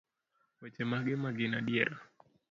weche mage magin adiera?